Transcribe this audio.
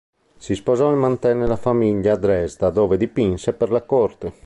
Si sposò e mantenne la famiglia a Dresda, dove dipinse per la corte.